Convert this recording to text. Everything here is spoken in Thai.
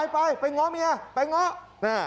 ไปไปเงาะเมียไปเงาะ